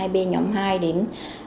hai b nhóm hai đến